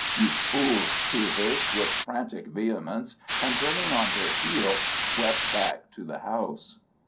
"You fool!" she hissed, with frantic vehemence, and turning on her heel swept back to the house.